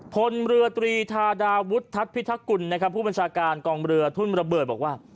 พลเมลือตรีธาดาวุฒิธักุลผู้บัญชาการกองเมลือทุ่นระเบิดบอกว่า